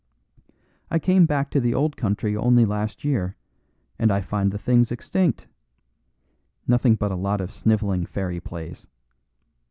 I came back to the old country only last year, and I find the thing's extinct. Nothing but a lot of snivelling fairy plays.